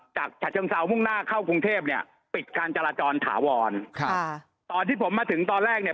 ฉะเชิงเซามุ่งหน้าเข้ากรุงเทพเนี่ยปิดการจราจรถาวรครับตอนที่ผมมาถึงตอนแรกเนี่ย